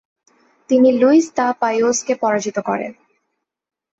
তিনি Louis the পাইওসকে পরাজিত করেন।